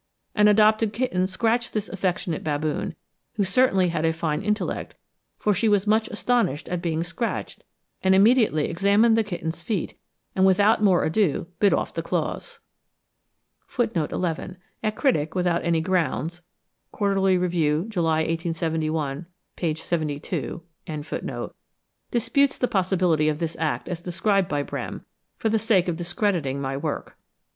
An adopted kitten scratched this affectionate baboon, who certainly had a fine intellect, for she was much astonished at being scratched, and immediately examined the kitten's feet, and without more ado bit off the claws. (11. A critic, without any grounds ('Quarterly Review,' July 1871, p. 72), disputes the possibility of this act as described by Brehm, for the sake of discrediting my work.